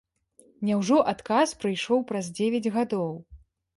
Няўжо адказ прыйшоў праз дзевяць гадоў?